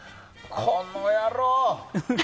この野郎！